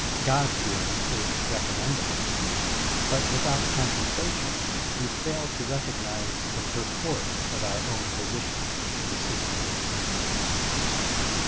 God fearing is recom mendable, but without contemplation we fail to recognize the purport of our own position in the system of the tmiverse.